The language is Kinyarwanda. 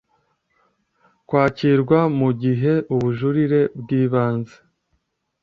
kwakirwa mu gihe ubujurire bw ibanze